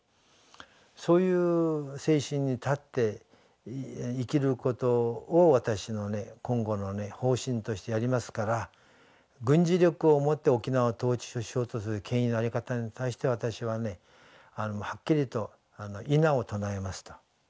そういう精神に立って生きることを私の今後の方針としてやりますから軍事力をもって沖縄を統治しようとする権威のあり方に対しては私ははっきりと否を唱えますと。